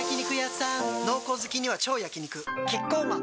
濃厚好きには超焼肉キッコーマン